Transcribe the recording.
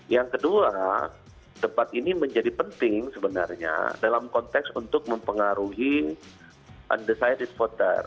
yang kedua debat ini menjadi penting sebenarnya dalam konteks untuk mempengaruhi undecided voter